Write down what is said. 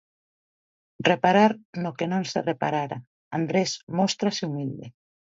Reparar no que non se reparara Andrés móstrase humilde.